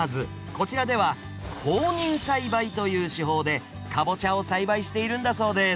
こちらでは放任栽培という手法でカボチャを栽培しているんだそうです